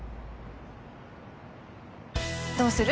どうする？